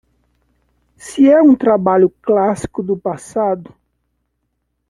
Se é um trabalho clássico do passado